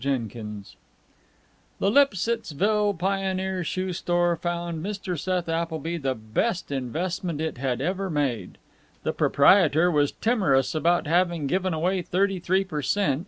CHAPTER XVII The Lipsittsville Pioneer Shoe Store found Mr. Seth Appleby the best investment it had ever made. The proprietor was timorous about having given away thirty three per cent.